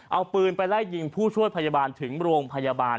เอาปืนไปไล่ยิงผู้ช่วยพยาบาลถึงโรงพยาบาล